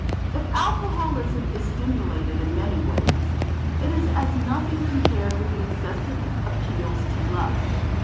If alcoholism is stimulated in many ways, it is as nothing compared with the incessant appeals to lust.